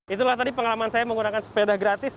itulah tadi pengalaman saya menggunakan sepeda gratis